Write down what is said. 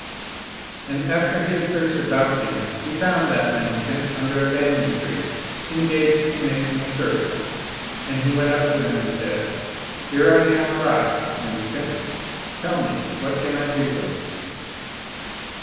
And after he had searched about in it, he found that mendicant under a banyan tree, engaged in making a circle, and he went up to him and said, " Here I am arrived, mendicant; tell me, what can I do for you?